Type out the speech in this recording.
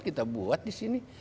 kita buat di sini